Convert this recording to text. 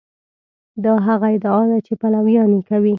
دا هغه ادعا ده چې پلویان یې کوي.